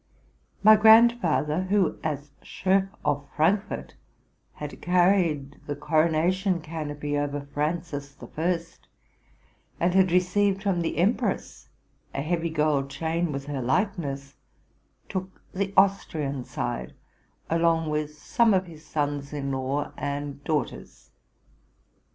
My grandfather, who, as Schoff of Frankfort, had carried the coronation canopy over Francis the First, and had received from the empress a heavy gold chain with her likeness, took the Austrian side along with some of his sons in law and daughters.